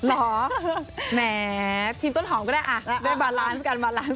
เหรอแหมทีมต้นหอมก็ได้อ่ะได้บาลานซ์กันบาลานซ